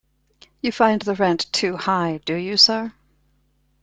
You find the rent too high, do you, sir?